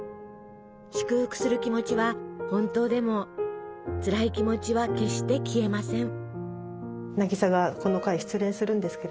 祝福する気持ちは本当でもつらい気持ちは決して消えません。